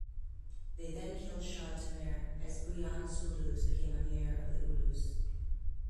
They then killed Shah Temur, as Buyan Suldus became amir of the "ulus".